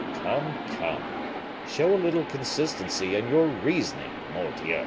Come, come, show a little consistency in your reasoning, _mordieu!